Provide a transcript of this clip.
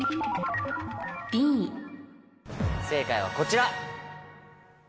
正解はこちら。